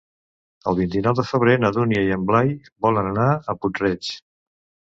El vint-i-nou de febrer na Dúnia i en Blai volen anar a Puig-reig.